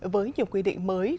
với nhiều quy định mới